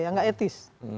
yang gak etis